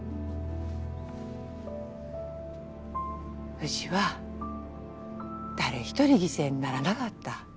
うぢは誰一人犠牲にならながった。